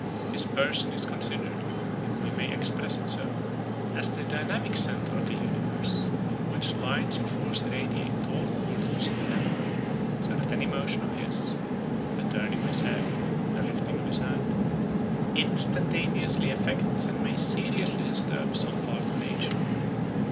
His person is considered, if we may express it so, as the dynamical centre of the universe, from which lines of force radiate to all quarters of the heaven; so that any motion of his the turning of his head, the lifting of his hand instantaneously affects and may seriously disturb some part of nature.